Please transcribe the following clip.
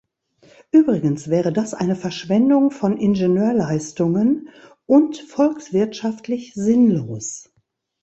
Übrigens wäre das eine Verschwendung von Ingenieurleistungen und volkswirtschaftlich sinnlos.